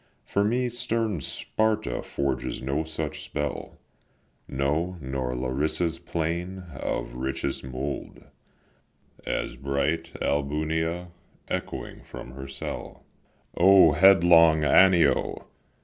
For me stern Sparta forges no such spell, No, nor Larissa's plain of richest mould, As bright Albunea echoing from her cell. O headlong Anio!